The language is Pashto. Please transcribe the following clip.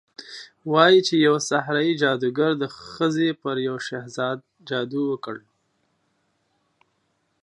وايي چې يوې ساحرې، جادوګرې ښځې پر يو شهزاده جادو وکړ